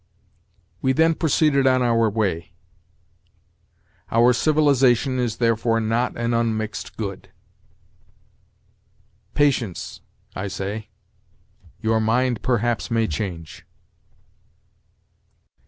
"We then proceeded on our way." "Our civilization is therefore not an unmixed good." "Patience, I say; your mind perhaps may change."